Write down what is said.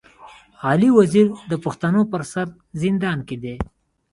علي وزير د پښتنو پر سر زندان کي دی.